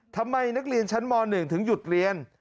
ทำไมนักเรียนชั้นม๑ถึงหยุดเรียน